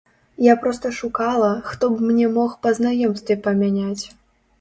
Я проста шукала, хто б мне мог па знаёмстве памяняць.